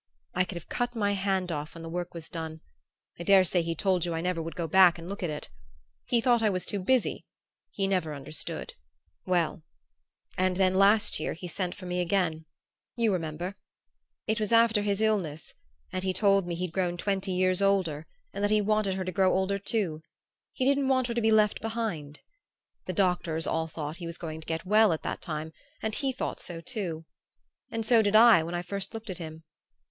I could have cut my hand off when the work was done I daresay he told you I never would go back and look at it. He thought I was too busy he never understood.... "Well and then last year he sent for me again you remember. It was after his illness, and he told me he'd grown twenty years older and that he wanted her to grow older too he didn't want her to be left behind. The doctors all thought he was going to get well at that time, and he thought so too; and so did I when I first looked at him.